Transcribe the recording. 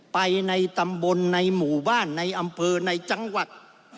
ไปในตำบลในหมู่บ้านในอำเภอในจังหวัด